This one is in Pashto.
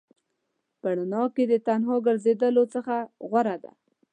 په رڼا کې د تنها ګرځېدلو څخه غوره ده.